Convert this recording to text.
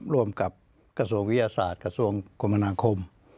ร่วมกับกระทรวงวิทยาศาสตร์กระทรวงคมนาคม